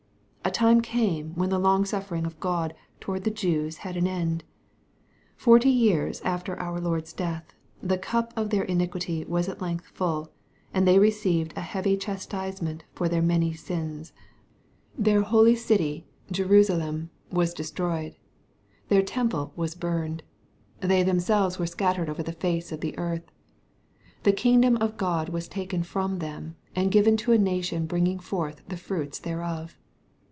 A time came when the long suffering of God towards the Jews had an end. Forty years after our Lord's death, the cup of their iniquity was at length full, and they received a heavy chastisement for their many sins. Thcii 278 BXP08IT0BT THOUGHTS. holy city, JenisaletD, was destroyed. Their temple was burned. They themselves were scattered oyer the face of the earth. (" The kingdom of God was taken from them, and given to a nation bringing forth the fruits thereof.'')